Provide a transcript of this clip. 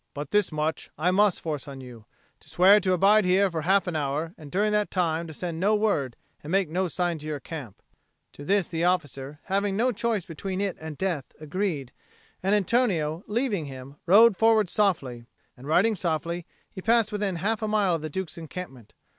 But this much I must force on you to swear to abide here for half an hour, and during that time to send no word and make no sign to your camp." To this the officer, having no choice between it and death, agreed; and Antonio, leaving him, rode forward softly; and, riding softly, he passed within half a mile of the Duke's encampment.